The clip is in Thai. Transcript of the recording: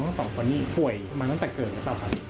ผ่วยมาตั้งแต่เกิดหรือเปล่าคะ